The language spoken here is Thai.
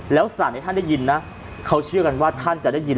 แล้วสั่นให้ท่านได้ยินนะเขาเชื่อกันว่าท่านจะได้ยิน